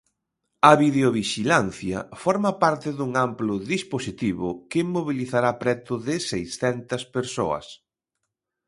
A videovixilancia forma parte dun amplo dispositivo que mobilizará preto de seiscentas persoas.